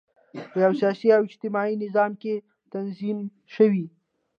په یوه سیاسي او اجتماعي نظام کې تنظیم شوي.